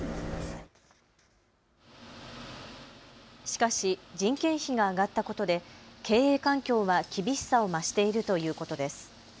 しかし人件費が上がったことで経営環境は厳しさを増しているということです。